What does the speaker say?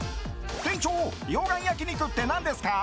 店長、溶岩焼肉って何ですか？